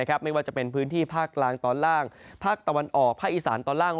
ไม่ว่าจะเป็นพื้นที่ภาคกลางตอนล่างภาคตะวันออกภาคอีสานตอนล่าง